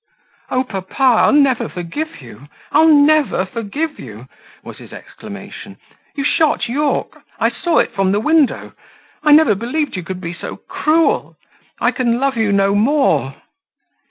"Oh, papa, I'll never forgive you! I'll never forgive you!" was his exclamation. "You shot Yorke I saw it from the window. I never believed you could be so cruel I can love you no more!"